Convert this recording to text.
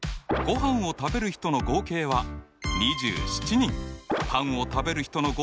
パンを食べる人の合計は２５人。